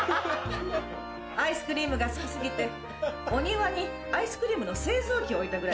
アイスクリームが好き過ぎてお庭にアイスクリームの製造機置いたぐらい。